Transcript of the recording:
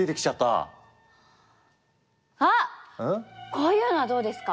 こういうのはどうですか？